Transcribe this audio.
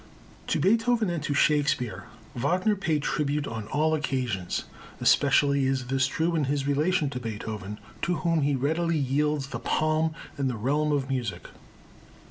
To Beethoven and to Shakespeare, Wagner paid tribute on all occasions. Especially is this true in his relation to Beethoven, to whom he readily yields the palm in the realm of music.